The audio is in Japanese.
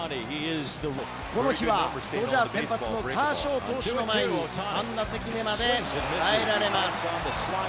この日はドジャース先発のカーショー投手の前に３打席目までおさえられます。